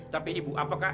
tapi ibu apakah